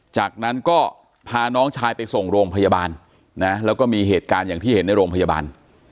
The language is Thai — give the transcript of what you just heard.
จากนั้นก็พาน้องชายไปส่งโรงพยาบาลนะแล้วก็มีเหตุการณ์อย่างที่เห็นในโรงพยาบาล